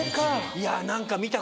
いや何か。